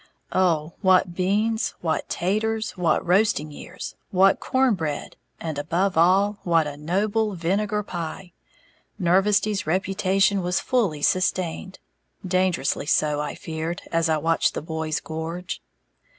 Oh, what beans, what "'taters," what "roasting years," what corn bread, and above all, what a noble vinegar pie! Nervesty's reputation was fully sustained, dangerously so, I feared, as I watched the boys gorge.